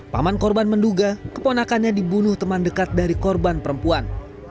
paman korban menduga keponakannya dibunuh teman dekat dari korban perempuan